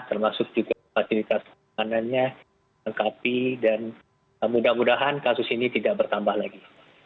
termasuk juga fasilitas panennya lengkapi dan mudah mudahan kasus ini tidak bertambah lagi